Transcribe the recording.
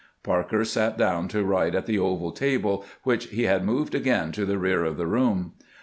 Parker sat down to write at the oval table, which he had moved again to the rear of the room.